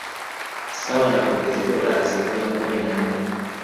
Sawa na ongezeko la asilimia kumi na nne